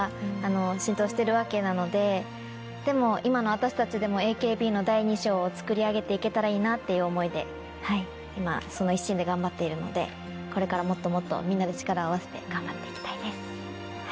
でも今の私たちでも。をつくり上げて行けたらいいなっていう思いで今その一心で頑張っているのでこれからもっともっとみんなで力を合わせて頑張って行きたいです。